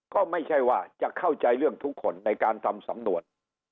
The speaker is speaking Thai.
ก็ไม่ใช่ว่าจะเข้าใจเรื่องทุกคนในการทำสำนวน